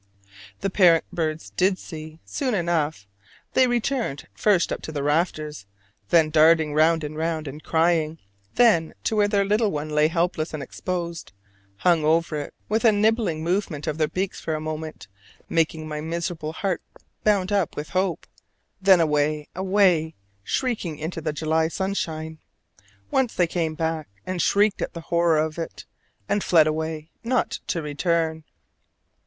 The parent birds did see, soon enough: they returned, first up to the rafters, then darting round and round and crying; then to where their little one lay helpless and exposed, hung over it with a nibbling movement of their beaks for a moment, making my miserable heart bound up with hope: then away, away, shrieking into the July sunshine. Once they came back, and shrieked at the horror of it all, and fled away not to return.